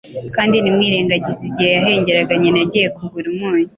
Kandi ntimwirengagize igihe yahengeraga nyina agiye kugura umunyu